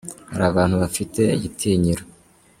harabantu bafite igitinyiro.